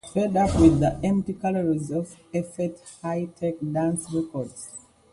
Fed up with the empty calories of effete high-tech dance records?